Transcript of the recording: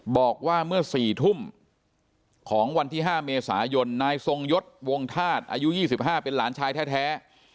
บอกว่าเมื่อ๔ทุ่มของวันที่๕เมษายนนายทรงยศวงธาตุอายุ๒๕เป็นหลานชายแท้